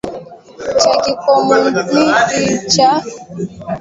cha Kikomunisti cha Urusi Chama Huria cha Urusi na Urusi wa Haki